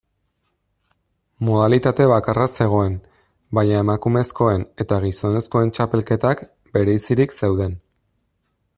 Modalitate bakarra zegoen, baina emakumezkoen eta gizonezkoen txapelketak bereizirik zeuden.